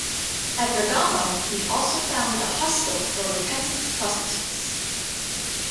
At Bergamo, he also founded a hostel for repentant prostitutes.